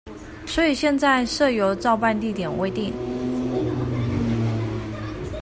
所以現在社遊照辦地點未定